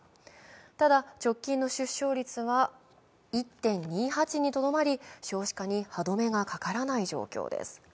ただ、直近の出生率は１．２８にとどまり、少子化に歯止めがかからない状況です。